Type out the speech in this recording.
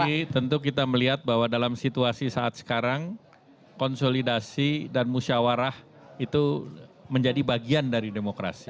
jadi tentu kita melihat bahwa dalam situasi saat sekarang konsolidasi dan musyawarah itu menjadi bagian dari demokrasi